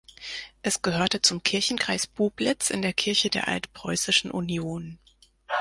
Es gehörte zum Kirchenkreis Bublitz in der Kirche der Altpreußischen Union.